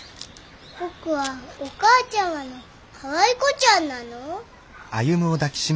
僕はお母ちゃまのかわい子ちゃんなの？